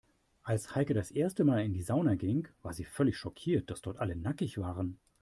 Als Heike das erste Mal in die Sauna ging, war sie völlig schockiert, dass dort alle nackig waren.